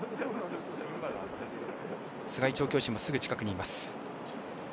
須貝調教師もすぐ近くにいます。